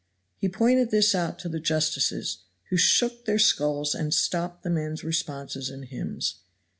He pointed this out to the justices, who shook their skulls and stopped the men's responses and hymns.